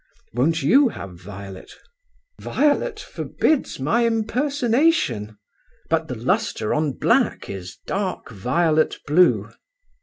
Won't you have violet?" "Violet forbids my impersonation." "But the lustre on black is dark violet blue."